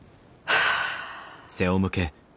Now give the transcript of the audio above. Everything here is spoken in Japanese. はあ。